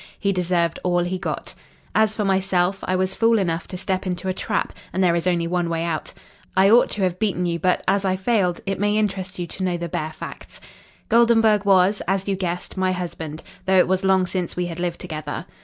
He deserved all he got. As for myself, I was fool enough to step into a trap, and there is only one way out. I ought to have beaten you, but as I failed, it may interest you to know the bare facts. "Goldenburg was, as you guessed, my husband, though it was long since we had lived together.